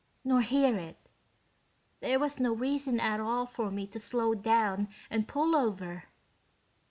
Nor hear it. There was no reason at all for me to slow down and pull over."